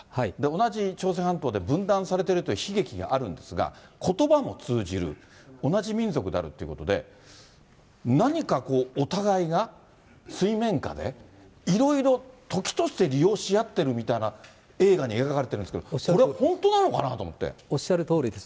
同じ朝鮮半島で分断されているという悲劇があるんですが、ことばも通じる、同じ民族であるということで、何かこう、お互いが水面下で、いろいろ、時として利用し合ってるみたいな映画に描かれてるんですけれども、おっしゃるとおりです。